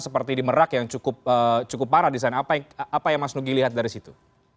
seperti di merak yang cukup parah di sana apa yang mas nugi lihat dari situ